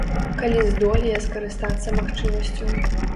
Калі здолее скарыстацца магчымасцю.